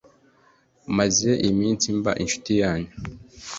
maze iminsi mba inshuti yanyu,